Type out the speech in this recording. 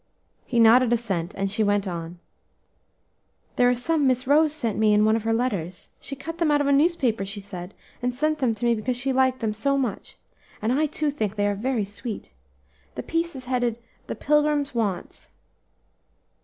He nodded assent, and she went on. "They are some Miss Rose sent me in one of her letters. She cut them out of a newspaper, she said, and sent them to me because she liked them so much; and I too think they are very sweet. The piece is headed: "'THE PILGRIM'S WANTS.'